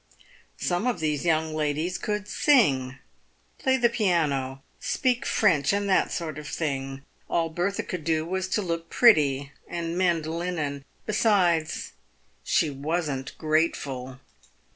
Some of these young ladies PAVED WITH GOLD. 297 could sing, play the piano, speak French, and that sort of thing. All Bertha could do was to look pretty, and mend linen. Besides, she wasn't grateful.